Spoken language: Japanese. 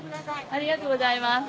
・ありがとうございます。